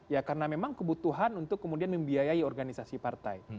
ya karena memang kebutuhan untuk kemudian membiayai organisasi partai